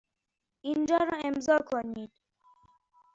اینجا را امضا کنید.